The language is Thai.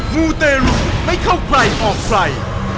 มูเตรุไม่เข้าใกล้ออกไฟ